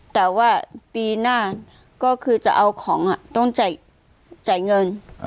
แต่ว่าปีหน้าก็คือจะเอาของต้องจ่ายเงิน